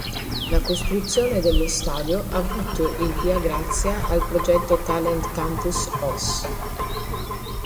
La costruzione dello stadio ha avuto il via grazie al progetto "Talent Campus Oss".